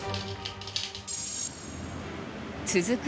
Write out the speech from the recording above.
続く